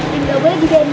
dan ga boleh di dener